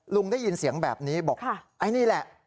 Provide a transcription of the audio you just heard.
ลุงได้ยินเสียงแบบนี้บอกไอ้นี่แหละ